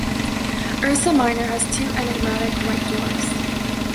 Ursa Minor has two enigmatic white dwarfs.